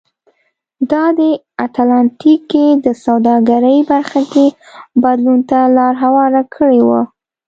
دا د اتلانتیک کې د سوداګرۍ برخه کې بدلون ته لار هواره کړې وه.